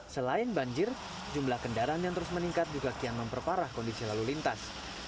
selain banjir jumlah kendaraan yang terus meningkat juga kian memperparah kondisi lalu lintas